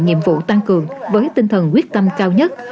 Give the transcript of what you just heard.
nhiệm vụ tăng cường với tinh thần quyết tâm cao nhất